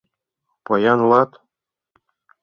— Поян улат.